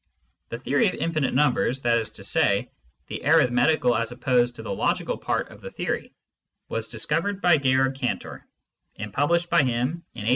The theory of infinite numbers — that is to say, the arith metical as opposed to the logical part of the theory — ^was discovered by Georg Cantor, and published by him in 1882 3.